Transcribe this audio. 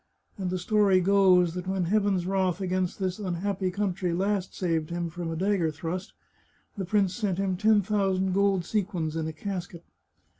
And the story goes that when Heaven's wrath against this unhappy country last saved him from a dagger thrust, the prince sent him ten thousand gold sequins in a casket.